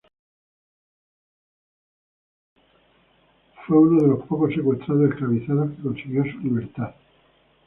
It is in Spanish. Fue uno de los pocos secuestrados esclavizados que consiguió su libertad.